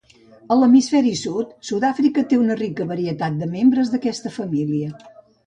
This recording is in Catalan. A l'hemisferi sud, Sud-àfrica té una rica varietat de membres d'aquesta família.